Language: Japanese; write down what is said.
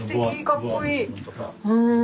かっこいい。